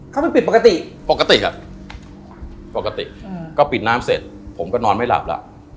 เข้าไปปิดปกติปกติอ่ะปกติก็ปิดน้ำเสร็จผมก็นอนไม่หลับแล้ว